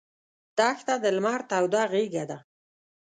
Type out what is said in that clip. دښته د لمر توده غېږه ده.